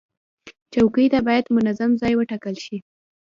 چوکۍ ته باید منظم ځای وټاکل شي.